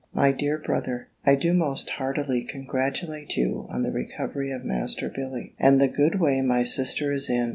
MY DEAR BROTHER, I do most heartily congratulate you on the recovery of Master Billy, and the good way my sister is in.